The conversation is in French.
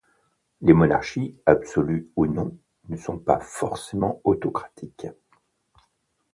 Les monarchies, absolues ou non, ne sont pas forcément autocratiques.